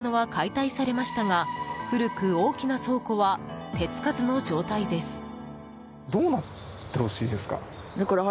持ち主によって手前の建物は解体されましたが古く大きな倉庫は手つかずの状態です。